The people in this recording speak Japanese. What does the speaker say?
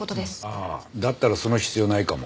あっだったらその必要ないかも。